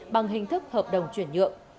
bằng hình thức hợp đồng chuyển nhượng